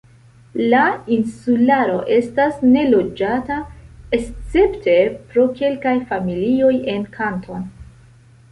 La insularo estas neloĝata escepte pro kelkaj familioj en Kanton.